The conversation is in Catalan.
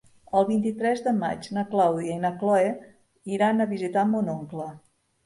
El vint-i-tres de maig na Clàudia i na Cloè iran a visitar mon oncle.